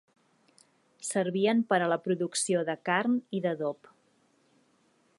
Servien per a la producció de carn i d'adob.